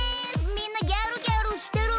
みんなギャルギャルしてる？